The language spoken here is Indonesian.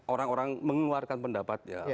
orang orang mengeluarkan pendapat ya